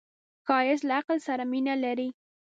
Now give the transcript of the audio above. ښایست له عقل سره مینه لري